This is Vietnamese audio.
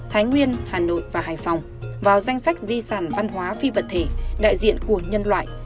thái nguyên hà nội và hải phòng vào danh sách di sản văn hóa phi vật thể đại diện của nhân loại